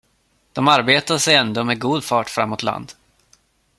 De arbetade sig ändå med god fart fram mot land.